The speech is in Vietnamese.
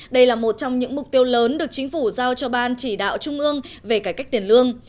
đây là một trong những mục tiêu lớn được chính phủ giao cho ban chỉ đạo trung ương về cải cách tiền lương